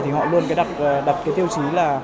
thì họ luôn đặt tiêu chí là